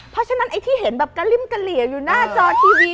เพราะฉะนั้นไอ้ที่เห็นแบบกระริ่มกะเหลี่ยอยู่หน้าจอทีวี